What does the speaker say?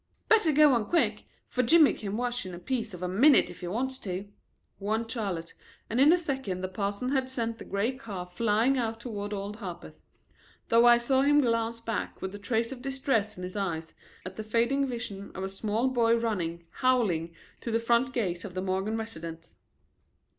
"Better go on quick, for Jimmy can wash in a piece of a minute if he wants to," warned Charlotte, and in a second the parson had sent the gray car flying out toward Old Harpeth, though I saw him glance back with a trace of distress in his eyes at the fading vision of a small boy running, howling, to the front gate of the Morgan residence.